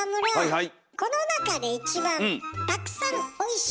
はい。